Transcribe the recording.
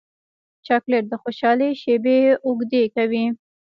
چاکلېټ د خوشحالۍ شېبې اوږدې کوي.